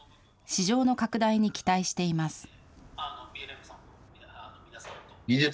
市場の拡大に期待しています。